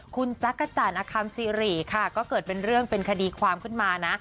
คุณจักรจันทร์อคัมซีรีส์ค่ะก็เกิดเป็นเรื่องเป็นคดีความขึ้นมานะ